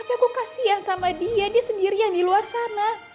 tapi aku kasian sama dia dia sendirian di luar sana